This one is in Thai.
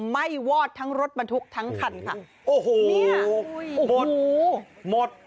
ไหม้วอดทั้งรถบรรทุกทั้งคันค่ะโอ้โหหมดหมด